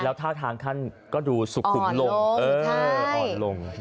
ท่าทางท่านก็ดูสุขุมลงอ่อนลง